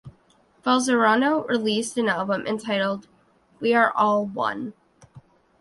Falzarano released an album entitled "We Are All One".